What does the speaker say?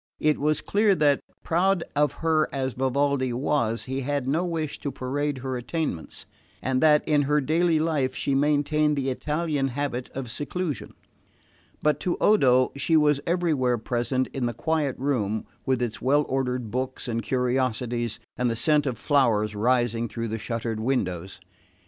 It was clear that, proud of her as Vivaldi was, he had no wish to parade her attainments, and that in her daily life she maintained the Italian habit of seclusion; but to Odo she was everywhere present in the quiet room with its well ordered books and curiosities, and the scent of flowers rising through the shuttered windows.